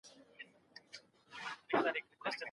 مرګ د ژوند حقيقت دی.